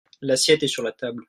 l'assiette est sur la table.